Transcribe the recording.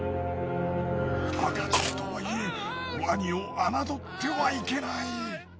赤ちゃんとはいえワニを侮ってはいけない。